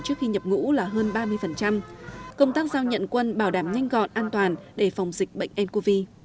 trước khi nhập ngũ là hơn ba mươi công tác giao nhận quân bảo đảm nhanh gọn an toàn để phòng dịch bệnh ncov